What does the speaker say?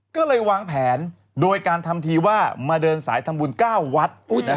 ก็เลยวางแผนโดยการทำทีว่ามาเดินสายทำบุญ๙วัด